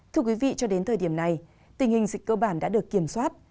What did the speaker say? thưa quý vị cho đến thời điểm này tình hình dịch cơ bản đã được kiểm soát